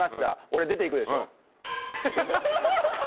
俺出ていくでしょ。